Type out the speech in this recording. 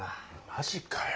マジかよ。